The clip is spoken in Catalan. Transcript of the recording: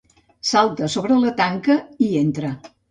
Salta sobre la tanca i entra.